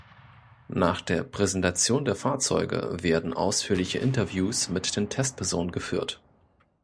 Nach der Präsentation der Fahrzeuge werden ausführliche Interviews mit den Testpersonen geführt.